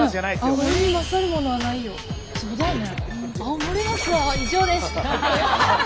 そうだよね。